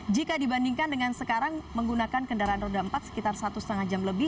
jika dibandingkan dengan sekarang menggunakan kendaraan roda empat sekitar satu lima jam lebih